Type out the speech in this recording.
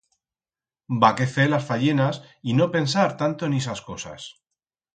B'ha que fer las fayenas y no pensar tanto en ixas cosas.